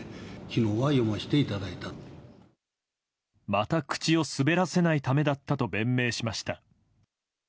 また口を滑らせないためだったと弁明しました。